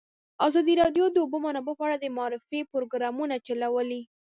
ازادي راډیو د د اوبو منابع په اړه د معارفې پروګرامونه چلولي.